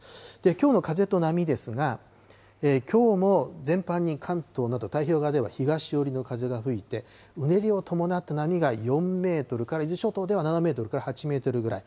きょうの風と波ですが、きょうも全般に関東など太平洋側では東寄りの風が吹いて、うねりを伴った波が４メートルから、伊豆諸島では７メートルから８メートルぐらい。